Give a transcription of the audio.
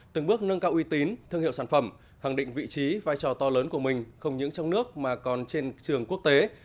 từng bước nâng cao uy tín thương hiệu sản phẩm khẳng định vị trí vai trò to lớn của mình không những trong nước mà còn trên trường quốc tế